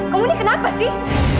kamu ini kenapa sih